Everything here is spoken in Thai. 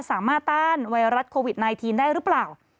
ต้านไวรัสโควิด๑๙ได้หรือเปล่า